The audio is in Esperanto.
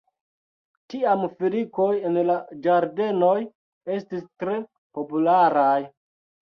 Tiam filikoj en la ĝardenoj estis tre popularaj.